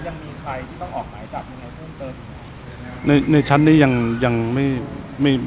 ยังมีใครต้องออกหมายจากยังไง